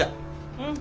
うん。